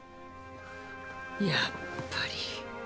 やっぱり。